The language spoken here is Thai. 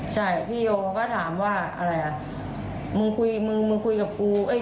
ใช่พี่โยก็ถามว่ามึงคุยกับกูไม่ใช่มึงคุยกับกูเนี่ย